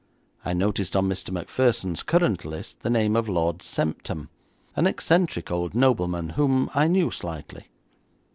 I noticed on Mr. Macpherson's current list the name of Lord Semptam, an eccentric old nobleman whom I knew slightly.